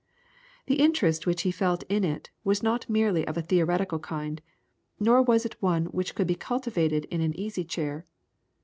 The interest which he felt in it was not of a merely theoretical kind, nor was it one which could be cultivated in an easy chair.